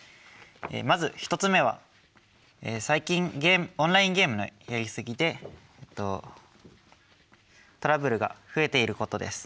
まず１つ目は最近オンラインゲームのやりすぎでトラブルが増えていることです。